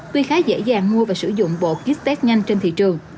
tuy khá dễ dàng mua và sử dụng bộ kit test nhanh trên thị trường